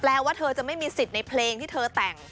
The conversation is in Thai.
ว่าเธอจะไม่มีสิทธิ์ในเพลงที่เธอแต่ง